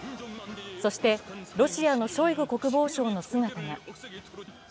そしてロシアのショイグ国防相の姿が。